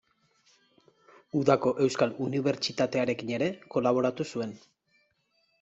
Udako Euskal Unibertsitatearekin ere kolaboratu zuen.